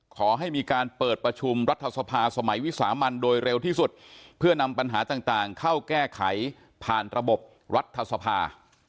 ขอให้มีการเปิดประชุมรัฐสภาสมัยวิสามันโดยเร็วที่สุดเพื่อนำปัญหาต่างเข้าแก้ไขผ่านระบบรัฐสภา